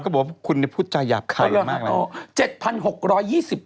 ก็บอกว่าคุณพูดใจหยาบขายมากเลย